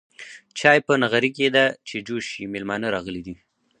چاي په نغرې کيده چې جوش شي ميلمانه راغلي دي.